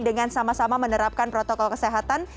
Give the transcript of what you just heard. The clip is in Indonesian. dengan sama sama menerapkan protokol kesehatan